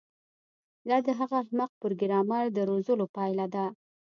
دا د هغه احمق پروګرامر د روزلو پایله ده